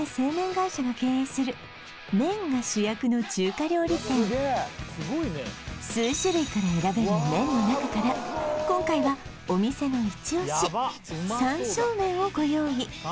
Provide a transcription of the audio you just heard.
会社が経営する麺が主役の中華料理店数種類から選べる麺の中から今回はお店のイチオシをご用意